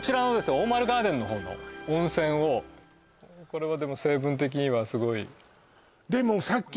大丸ガーデンの方の温泉をこれはでも成分的にはすごいでもそうですね